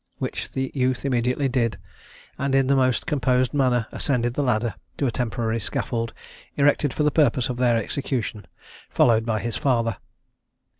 which the youth immediately did, and in the most composed manner ascended the ladder to a temporary scaffold erected for the purpose of their execution, followed by his father.